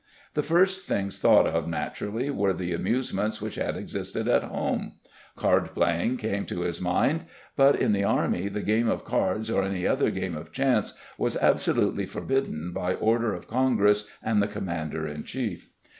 The first things thought of, naturally, were the amusements which had existed at home. Card playing came to his mind, but in the army the game of cards or any other game of chance was absolutely forbidden by order of congress and the commander in chief.